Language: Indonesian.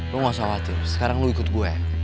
lo gak khawatir sekarang lo ikut gue